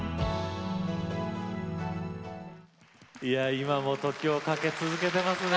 今も時をかけ続けていますね。